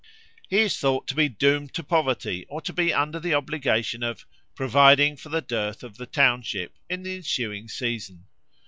He is thought to be doomed to poverty or to be under the obligation of "providing for the dearth of the township" in the ensuing season.